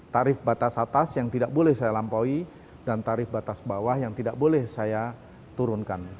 tarif batas atas yang tidak boleh saya lampaui dan tarif batas bawah yang tidak boleh saya turunkan